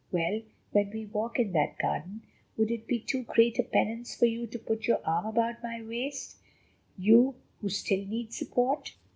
Well, when we walk in that garden, would it be too great a penance for you to put your arm about my waist—you who still need support?"